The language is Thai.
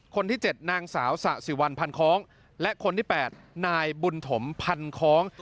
คนที่๗นางสาวสะสิวันพันคล้องและคนที่๘นายบุญถมพันคล้อง